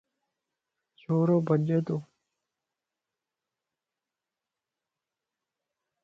ڇورو ٻڃتو